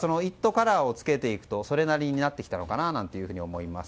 カラーをつけていくと、それなりになってきたのかななんて思います。